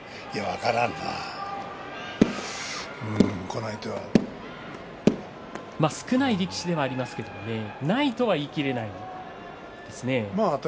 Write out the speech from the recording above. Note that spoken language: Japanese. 変化の少ない力士ではありますがないとは言い切れないですね。